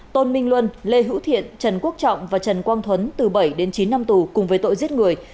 tôn minh luân lê hữu thiện trần quốc trọng và trần quang thuấn từ bảy đến chín năm tù cùng với tội giết người